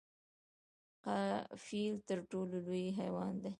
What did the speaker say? فیل تر ټولو لوی حیوان دی؟